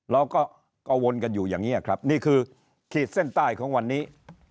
เราก็กังวลกันอยู่อย่างนี้ครับนี่คือขีดเส้นใต้ของวันนี้